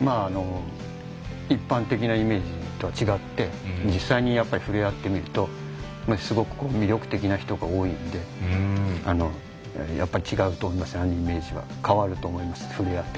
一般的なイメージとは違って実際に、ふれあってみるとすごく魅力的な人が多いのでやっぱり違うと思いますイメージは変わると思います。